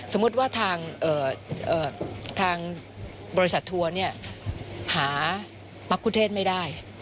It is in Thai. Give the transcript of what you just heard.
สมมุติว่าทางบริษัททัวร์หามกุเทศไม่ได้